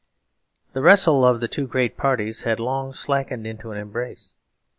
The wrestle of the two great parties had long slackened into an embrace.